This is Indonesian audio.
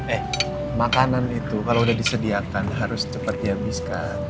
eh makanan itu kalau udah disediakan harus cepat dihabiskan